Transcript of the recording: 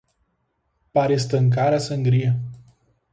Para estancar a sangria